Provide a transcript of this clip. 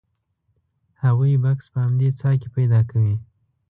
هغوی بکس په همدې څاه کې پیدا کوي.